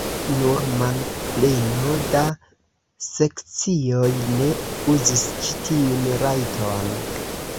Nur manpleno da sekcioj ne uzis ĉi tiun rajton.